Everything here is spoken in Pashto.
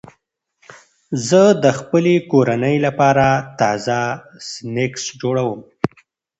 زه د خپلې کورنۍ لپاره تازه سنکس جوړوم.